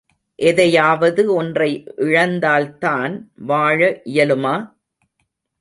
எதையாவது ஒன்றை இழந்தால்தான் வாழ இயலுமா?